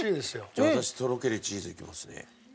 じゃあ私とろけるチーズいきますね。